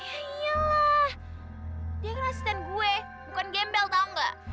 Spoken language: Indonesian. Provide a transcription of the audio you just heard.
yaiyalah dia kan asisten gue bukan gembel tau gak